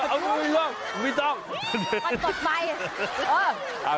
เอาลูกไปล้วงไม่ต้องวันต่อไปเออ